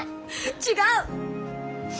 違う！